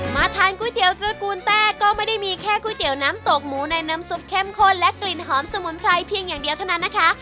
ทานก๋วยเตี๋ยวตระกูลแต้ก็ไม่ได้มีแค่ก๋วยเตี๋ยวน้ำตกหมูในน้ำซุปเข้มข้นและกลิ่นหอมสมุนไพรเพียงอย่างเดียวเท่านั้นนะคะ